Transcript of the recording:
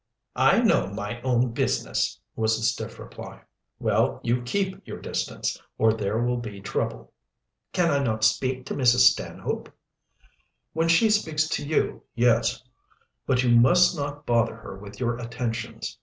"I know my own business," was the stiff reply. "Well, you keep your distance, or there will be trouble." "Can I not speak to Mrs. Stanhope?" "When she speaks to you, yes. But you must not bother her with your attentions.